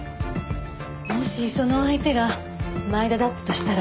もしその相手が前田だったとしたら。